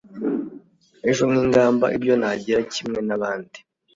Ejo nkigamba ibyo nagira kimwe nabandi